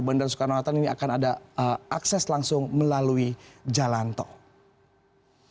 bandara soekarno hatta ini akan ada akses langsung melalui jalan tol